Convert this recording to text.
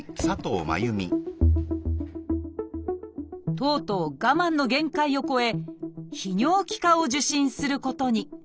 とうとう我慢の限界を超え泌尿器科を受診することに。